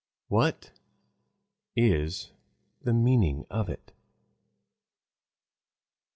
What is the meaning of it?